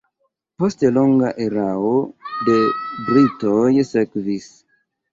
Poste longa erao de britoj sekvis.